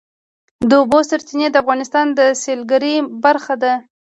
د اوبو سرچینې د افغانستان د سیلګرۍ برخه ده.